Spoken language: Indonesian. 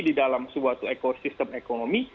di dalam suatu ekosistem ekonomi